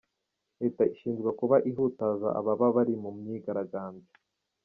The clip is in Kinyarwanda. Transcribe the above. Leta ishinjwa kuba ihutaza ababa bari mu myigaragambyo.